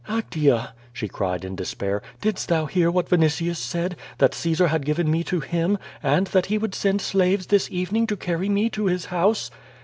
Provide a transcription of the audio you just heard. "Actea," she cried in despair, "didst thou hear what Vini tius said, that Caesar had given me to him, and that he would send slaves this evening to carry me to his house?"